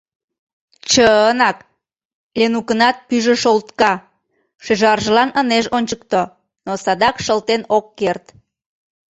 — Ч-чынак, — Ленукынат пӱйжӧ шолтка; шӱжаржылан ынеж ончыкто — но садак шылтен ок керт.